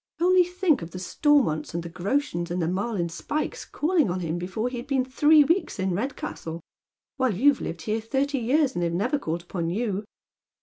Only think of the Stormonts, and the Groshens and the Marlin Spykes calling on him before he had been tluee weeks in Redcastle, while you've lived here thirty years and they've never called upon you."